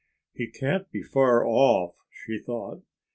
"He can't be far off," she thought.